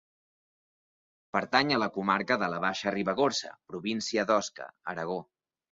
Pertany a la comarca de la Baixa Ribagorça, província d'Osca, Aragó.